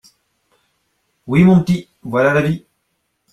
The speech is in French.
Oui, mon petit, voilà la vie.